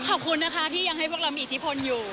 ขอบคุณนะคะที่ยังให้พวกเรามีอิทธิพลอยู่